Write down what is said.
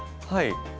はい。